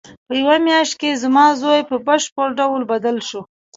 په یوه میاشت کې زما زوی په بشپړ ډول بدل شو